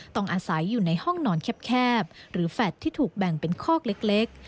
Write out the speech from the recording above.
ต้องอาศัยอยู่ในห้องนอนแคบหรือแฟลตที่ถูกแบ่งเป็นคอกเล็ก